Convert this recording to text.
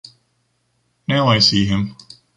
Now I see him.